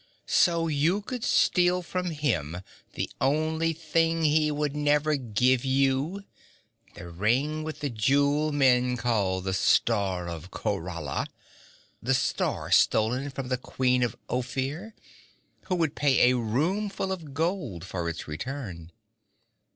'So you could steal from him the only thing he would never give you the ring with the jewel men call the Star of Khorala the star stolen from the Queen of Ophir, who would pay a roomful of gold for its return.